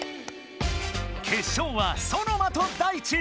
決勝はソノマとダイチ。